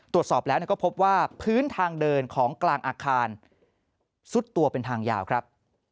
ตรวจสอบแล้วก็พบว่าพื้นทางเดินของกลางอาคารซุดตัวเป็นทางยาวครับ